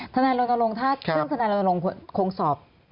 ถนัดลงการลงถ้าเครื่องถนัดลงการลงคงสอบ